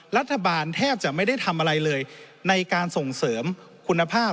รัฐบาลแทบจะไม่ได้ทำอะไรเลยในการส่งเสริมคุณภาพ